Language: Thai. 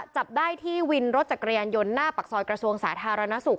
จับได้ที่วินรถจักรยานยนต์หน้าปากซอยกระทรวงสาธารณสุข